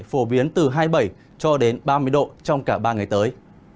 phổ biến từ hai mươi bảy cho đến ba mươi độ trong cả ba ngày tới